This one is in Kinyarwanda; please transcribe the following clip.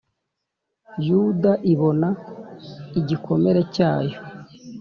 Yuda ibona igikomere cyayo;